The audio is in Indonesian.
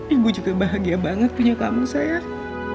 ibu juga bahagia banget punya kamu sayang